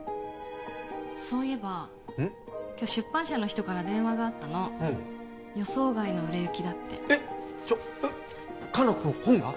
そういえば今日出版社の人から電話があったの予想外の売れ行きだってえっちょっえっ果奈子の本が？